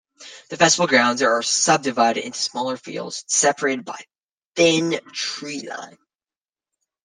The festival grounds are subdivided into smaller fields separated by a thin treeline.